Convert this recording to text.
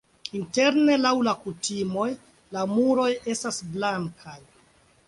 Interne laŭ la kutimoj la muroj estas blankaj.